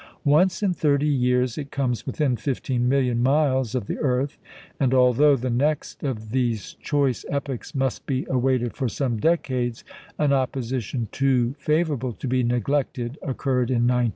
Once in thirty years, it comes within fifteen million miles of the earth; and although the next of these choice epochs must be awaited for some decades, an opposition too favourable to be neglected occurred in 1900.